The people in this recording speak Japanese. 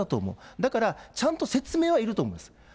だからちゃんと説明はいると思うんです。